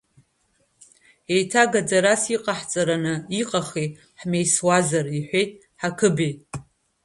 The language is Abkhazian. Еиҭа гаӡарас иҟахҵараны иҟахи, ҳмеисуазар, – иҳәеит Ҳақыбеи.